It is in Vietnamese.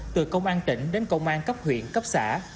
từ công an tỉnh đến công an cấp huyện cấp xã